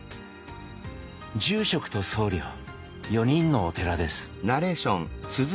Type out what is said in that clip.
住職と僧侶４人のお寺です。